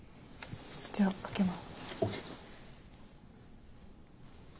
じゃあかけます。